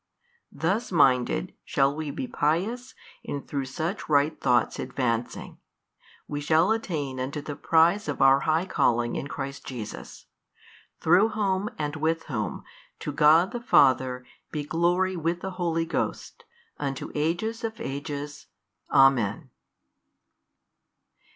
Thus minded shall we be pious and through such right thoughts advancing, we shall attain unto the prize of our high calling in Christ Jesus, through Whom, and with Whom to God the Father be glory with the Holy Ghost unto ages of ages, Amen.